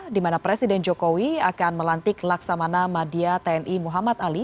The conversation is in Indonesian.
di mana presiden jokowi akan melantik laksamana madia tni muhammad ali